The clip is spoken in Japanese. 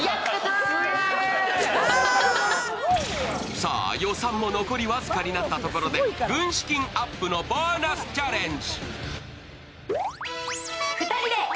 さあ、予算も残り僅かになったところで軍資金アップのボーナスチャレンジ。